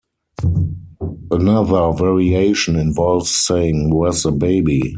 Another variation involves saying Where's the baby?